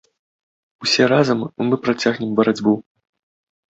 Усе разам, мы працягнем барацьбу.